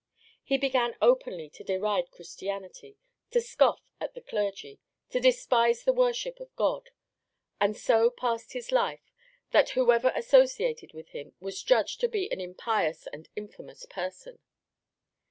He began openly to deride Christianity, to scoff at the clergy, to despise the worship of God, and so passed his life that whoever associated with him was judged to be an impious and infamous person.